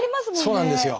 そうなんですよ。